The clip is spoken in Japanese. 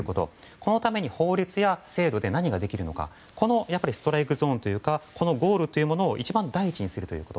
このために法律や制度で何ができるかストライクゾーンというかゴールを一番第一にするということ。